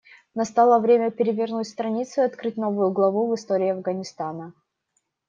Настало время перевернуть страницу и открыть новую главу в истории Афганистана.